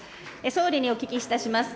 総理にお聞きいたします。